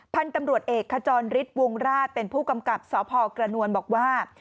พันธุ์ตำรวจเอกขจรฤทธิวงราชเป็นผู้กำกับสพกระนวลบอกว่า